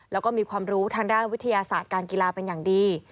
แล้วก็มีความรู้ทางด้านวิทยาศาสตร์การกีฬาเป็นอย่างดี